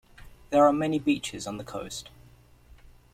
There are many beaches on the coast.